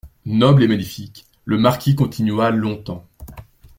Noble et magnifique, le marquis continua longtemps.